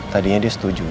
tadinya dia setuju